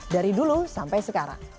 dari dulu sampai sekarang